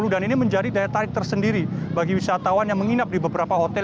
dan ini menjadi daya tarik tersendiri bagi wisatawan yang menginap di beberapa hotel